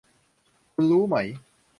คุณรู้ไหม